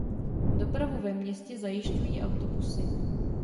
Dopravu ve městě zajišťují autobusy.